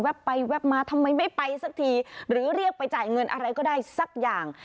ไปแวบมาทำไมไม่ไปสักทีหรือเรียกไปจ่ายเงินอะไรก็ได้สักอย่าง